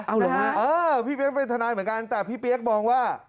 เอาเหรอฮะเออพี่เปี๊ยกเป็นทนายเหมือนกันแต่พี่เปี๊ยกมองว่า